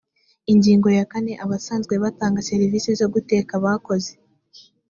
ingingo ya kane abasanzwe batanga serivisi zo guteka bakoze